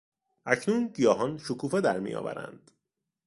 اکنون گیاهان شکوفه درمیآورند.